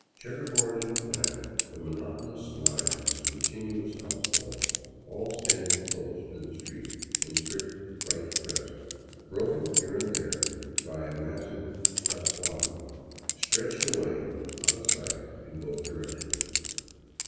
Checkerboard in plan, the monotonous line of its continuous liouse walls, all standing close to the street in a strict " right dress," broken here and there by a massive zaguan, stretched away out of sight in both directions.